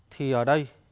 thì ở đây